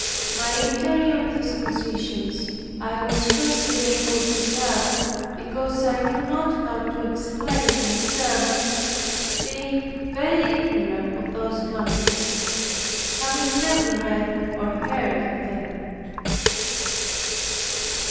My interior dispositions I was scarcely able to tell because I knew not how to explain myself, being very ignorant of those matters, having never read or heard of them.